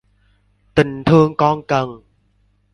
Tình thương con cần